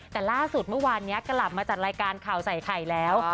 แต่ล่าสุดเมื่อวานนี้กลับมาจัดรายการข่าวใส่ไข่แล้ว